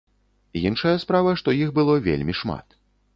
Іншая справа, што іх было вельмі шмат.